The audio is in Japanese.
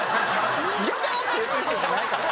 「ギョギョッ！」って言ってる人じゃないから。